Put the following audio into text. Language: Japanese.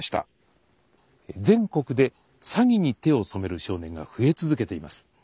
全国で詐欺に手を染める少年が増え続けています。